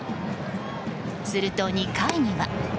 すると、２回には。